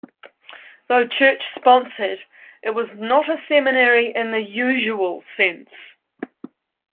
Though church-sponsored, it was not a seminary in the usual sense.